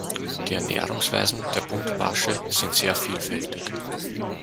Die Ernährungsweisen der Buntbarsche sind sehr vielfältig.